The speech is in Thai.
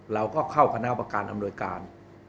เราก็เข้าคณะประการอำนวยการ